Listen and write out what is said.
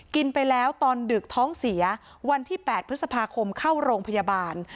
กินไปแล้วตอนดึกท้องเสียวันที่๘พฤษภาคมเข้าโรงพยาบาล